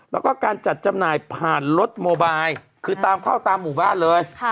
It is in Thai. แล้วก็การจัดจำหน่ายผ่านรถโมบายคือตามเข้าตามหมู่บ้านเลย